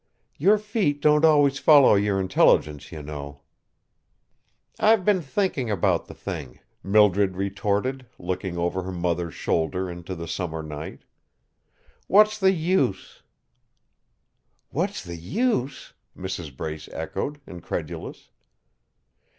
"Your feet don't always follow your intelligence, you know." "I've been thinking about the thing," Mildred retorted, looking over her mother's shoulder into the summer night. "What's the use?" "What's the use!" Mrs. Brace echoed, incredulous.